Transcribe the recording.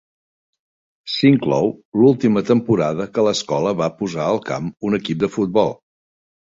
S'inclou l'última temporada que l'escola va posar al camp un equip de futbol.